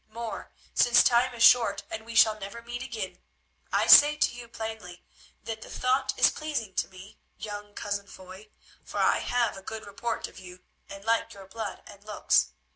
More, since time is short and we shall never meet again, I say to you plainly, that the thought is pleasing to me, young cousin Foy, for I have a good report of you and like your blood and looks.